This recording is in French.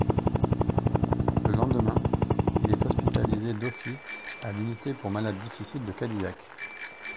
Le lendemain, il est hospitalisé d'office à l'unité pour malades difficiles de Cadillac.